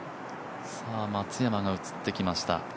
松山が映ってきました。